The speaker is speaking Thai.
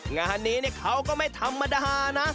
งานนี้เขาก็ไม่ธรรมดานะ